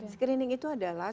screening itu adalah